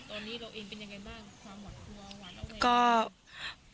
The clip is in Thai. ตอนนี้เราเองเป็นยังไงบ้างความหวัดกลัวหวาดระแวง